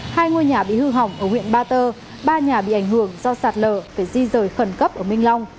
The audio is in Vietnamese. hai ngôi nhà bị hư hỏng ở huyện ba tơ ba nhà bị ảnh hưởng do sạt lở phải di rời khẩn cấp ở minh long